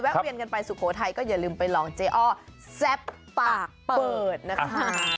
เวียนกันไปสุโขทัยก็อย่าลืมไปลองเจ๊อ้อแซ่บปากเปิดนะคะ